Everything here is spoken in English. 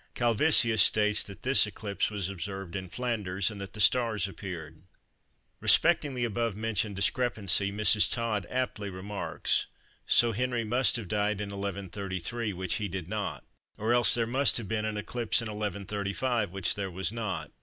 Calvisius states that this eclipse was observed in Flanders and that the stars appeared. Respecting the above mentioned discrepancy Mrs. Todd aptly remarks:—"So Henry must have died in 1133, which he did not; or else there must have been an eclipse in 1135, which there was not.